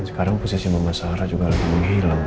sekarang posisi mama sarah juga lagi menghilang